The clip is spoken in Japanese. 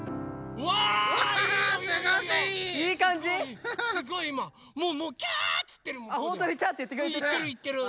うんいってるいってる！